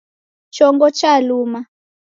Chongo chalua